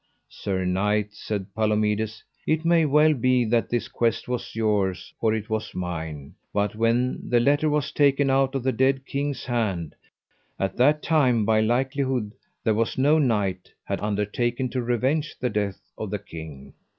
Sir knight, said Palomides, it may well be that this quest was yours or it was mine, but when the letter was taken out of the dead king's hand, at that time by likelihood there was no knight had undertaken to revenge the death of the king.